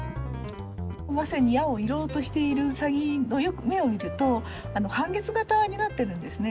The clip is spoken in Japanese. まさに矢を射ろうとしているうさぎの目を見ると半月形になってるんですね。